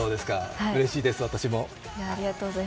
うれしいです、私も。